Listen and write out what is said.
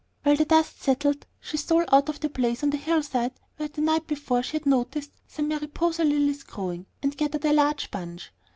While the dust settled, she stole out to a place on the hillside where the night before she had noticed some mariposa lilies growing, and gathered a large bunch.